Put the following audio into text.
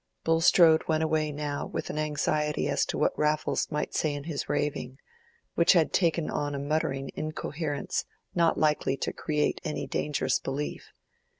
Bulstrode went away now without anxiety as to what Raffles might say in his raving, which had taken on a muttering incoherence not likely to create any dangerous belief.